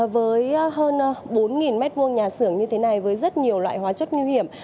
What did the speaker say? với hơn bốn m hai nhà xưởng như thế này với rất nhiều loại hóa chất nguy hiểm